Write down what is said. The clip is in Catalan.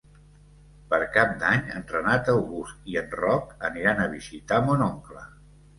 Per Cap d'Any en Renat August i en Roc aniran a visitar mon oncle.